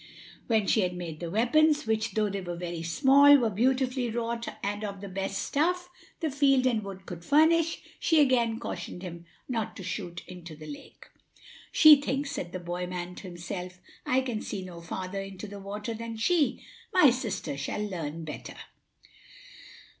When she had made the weapons, which, though they were very small, were beautifully wrought and of the best stuff the field and wood could furnish, she again cautioned him not to shoot into the lake. "She thinks," said the boy man to himself, "I can see no farther into the water than she. My sister shall learn better."